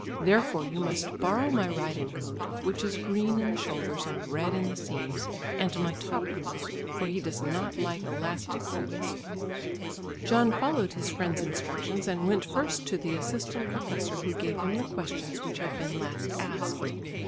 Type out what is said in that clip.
Therefore you must borrow my riding coat, which is green in the shoulders and red in the seams, and my top boots, for he does not like elastic boots." John followed his friend's instructions and went first to the assistant professor who gave him the questions which had been last asked.